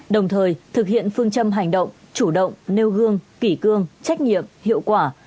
đồng thời thực hiện phương châm hành động chủ động nêu gương kỷ cương trách nhiệm hiệu quả